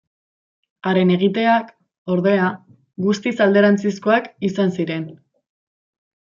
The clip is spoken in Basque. Haren egiteak, ordea, guztiz alderantzizkoak izan ziren.